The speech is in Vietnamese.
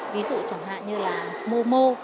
ví dụ chẳng hạn như là momo